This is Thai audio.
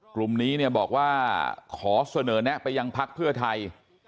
กลุ่มนี้เนี่ยบอกว่าขอเสนอแนะไปยังพักเพื่อไทย